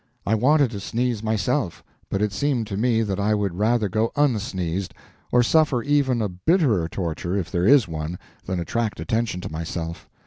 I wanted to sneeze myself, but it seemed to me that I would rather go unsneezed, or suffer even a bitterer torture, if there is one, than attract attention to myself.